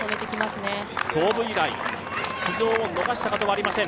創部以来、出場を逃したことはありません。